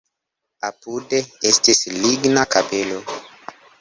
Apude estis ligna kapelo.